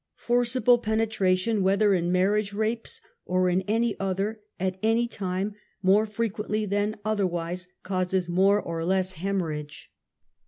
(Forcible penetration whether in marriage rapes \ or in any other, at any time, more frequently than ) otherwise, causes more or less hemorrhage.